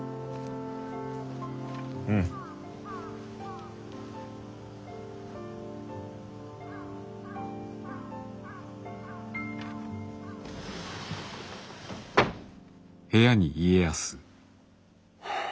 うん。はあ。